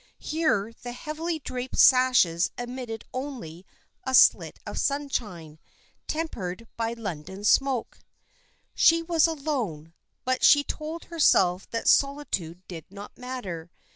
Here the heavily draped sashes admitted only a slit of sunshine, tempered by London smoke. She was alone, but she told herself that solitude did not matter.